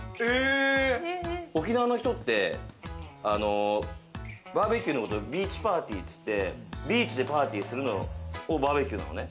沖縄の人ってバーベキューのことビーチパーティーっつってビーチでパーティーするのをバーベキューなのね。